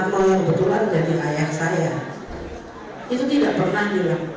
rahmawati juga mengatakan hingga saat ini belum ada sosok pemimpin seperti ayahnya megawati soekarno putri